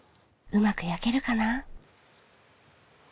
うまく焼けるかな？